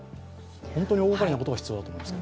本当に大がかりなことが必要です。